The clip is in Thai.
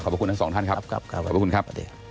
ขอบคุณทั้งสองท่านครับขอบคุณครับ